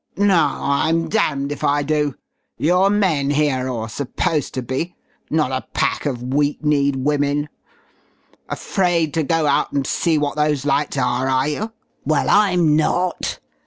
"No, I'm damned if I do! You're men here or supposed to be not a pack of weak kneed women!... Afraid to go out and see what those lights are, are you? Well, I'm not.